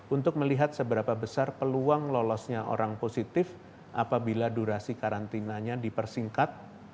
untuk melihat seberapa besar peluang lolosnya orang positif apabila durasi karantinanya dipersingkat